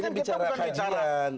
ini kan bicara kajian